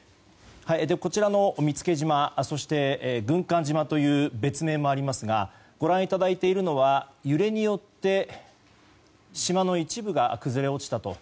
こちらの見附島、そして軍艦島という別名もありますがご覧いただいているのは揺れによって島の一部が崩れ落ちたと。